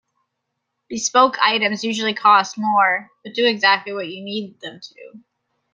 Bespoke items usually cost more but do exactly what you need them to.